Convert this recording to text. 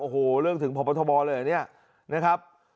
โอ้โหเรื่องถึงพบเลยอันนี้นะครับ